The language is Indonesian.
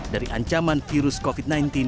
dari ancaman virus covid sembilan belas